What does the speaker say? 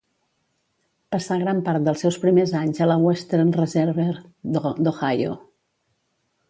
Passà gran part dels seus primers anys a la Western Reserve d'Ohio.